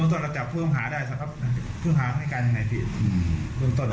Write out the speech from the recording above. เราก็เจ้าภาพภูมิหาได้ภูมิหาให้กันอย่างไรพี่อืมบ้านตั้งนั้น